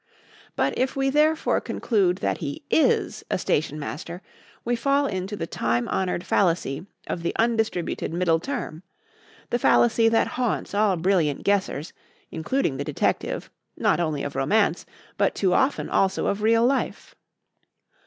But if we therefore conclude that he is a stationmaster, we fall into the time honoured fallacy of the undistributed middle term the fallacy that haunts all brilliant guessers, including the detective, not only of romance, but too often also of real life.